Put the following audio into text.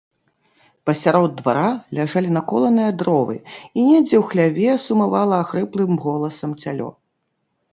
Пасярод двара ляжалі наколаныя дровы, і недзе ў хляве сумавала ахрыплым голасам цялё.